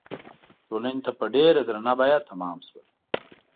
ټولنې ته په ډېره درنه بیه تمام شول.